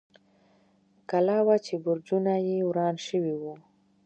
کلا وه، چې برجونه یې وران شوي و.